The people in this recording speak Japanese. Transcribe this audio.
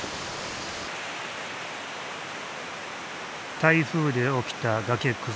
台風で起きた崖崩れ。